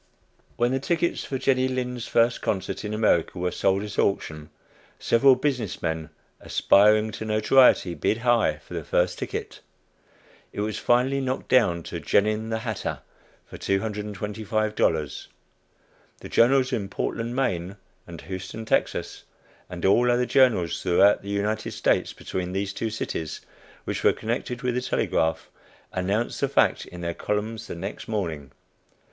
When the tickets for Jenny Lind's first concert in America were sold at auction, several business men, aspiring to notoriety, "bid high" for the first ticket. It was finally knocked down to "Genin, the hatter," for $225. The journals in Portland (Maine) and Houston (Texas,) and all other journals throughout the United States, between these two cities, which were connected with the telegraph, announced the fact in their columns the next morning.